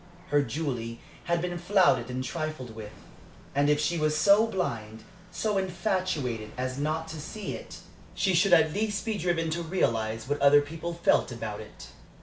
Her Julie had been flouted and trifled with; and if she was so blind, so infatuated, as not to see it, she should at least be driven to realize what other people felt about it.